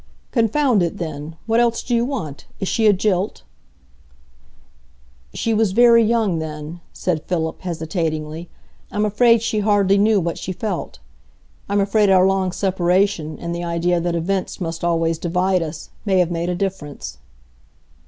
"Confound it, then; what else do you want? Is she a jilt?" "She was very young then," said Philip, hesitatingly. "I'm afraid she hardly knew what she felt. I'm afraid our long separation, and the idea that events must always divide us, may have made a difference."